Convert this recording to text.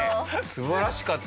素晴らしかった。